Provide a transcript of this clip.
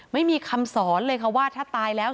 ไม่มีคำสอนเลยค่ะว่าถ้าตายแล้ว